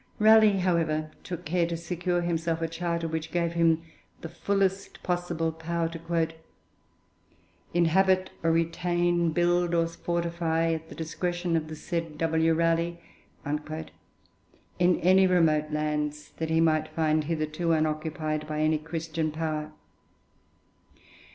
Raleigh, however, took care to secure himself a charter which gave him the fullest possible power to 'inhabit or retain, build or fortify, at the discretion of the said W. Raleigh,' in any remote lands that he might find hitherto unoccupied by any Christian power.